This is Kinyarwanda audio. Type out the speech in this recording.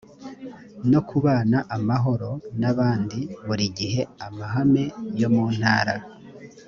no kubana amahoro n abandi buri gihe amahame yomuntara